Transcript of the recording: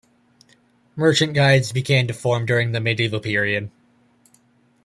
Merchant guilds began to form during the Medieval period.